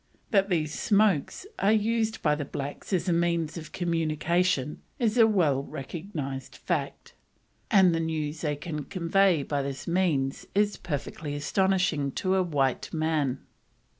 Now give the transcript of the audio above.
That these "smokes" are used by the blacks as a means of communication is a well recognised fact, and the news they can convey by this means is perfectly astonishing to a white man.